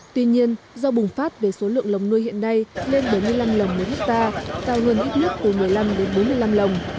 tuy nhiên do bùng phát về số lượng lồng nuôi hiện nay lên bảy mươi năm lồng một hectare cao hơn ít nhất từ một mươi năm đến bốn mươi năm lồng